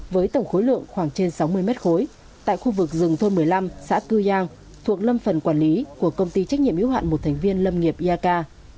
với tổng khối lượng khoảng trên sáu mươi mét khối tại khu vực rừng thôn một mươi năm xã cư giang thuộc lâm phần quản lý của công ty trách nhiệm yếu hạn một thành viên lâm nghiệp yaka